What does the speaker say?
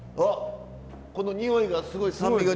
このにおいがすごい酸味が。